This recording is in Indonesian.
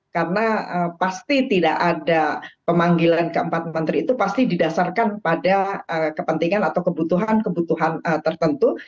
karena pasti tidak ada pemanggilan keempat menteri itu pasti didasarkan pada kepentingan atau kebutuhan kebutuhan tertentu